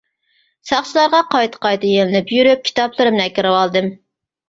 ساقچىلارغا قايتا-قايتا يېلىنىپ يۈرۈپ كىتابلىرىمنى ئەكىرىۋالدىم.